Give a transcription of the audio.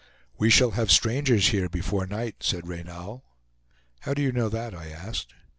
"We shall have strangers here before night," said Reynal. "How do you know that?" I asked.